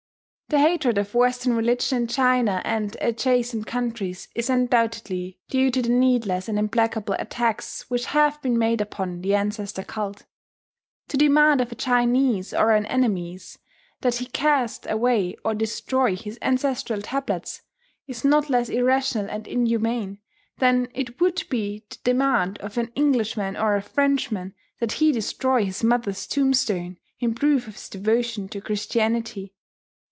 The hatred of Western religion in China and adjacent countries is undoubtedly due to the needless and implacable attacks which have been made upon the ancestor cult. To demand of a Chinese or an Annamese that he cast away or destroy his ancestral tablets is not less irrational and inhuman than it would be to demand of an Englishman or a Frenchman that he destroy his mother's tombstone in proof of his devotion to Christianity.